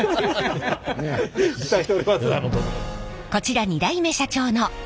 期待しております。